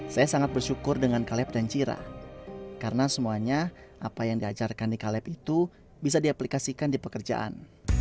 saya sangat bersyukur dengan caleb dan cira karena semuanya apa yang diajarkan di caleb itu bisa diaplikasikan di pekerjaan